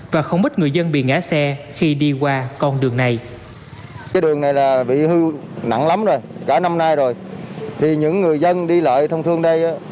và không ít người dân bị ngã xe khi đi qua con đường này